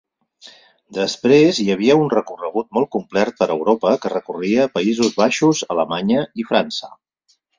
Després hi havia un recorregut molt complert per Europa que recorria Països Baixos, Alemanya i França.